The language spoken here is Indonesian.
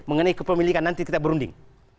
mengenai kepemilikan nanti kita berunding